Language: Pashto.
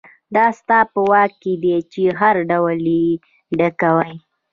دا ستا په واک کې دي چې هر ډول یې ډکوئ.